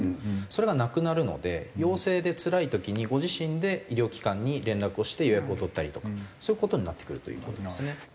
それがなくなるので陽性でつらい時にご自身で医療機関に連絡をして予約を取ったりとかそういう事になってくるという事ですね。